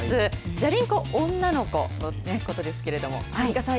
じゃりン子女の子ということですけれどアンミカさん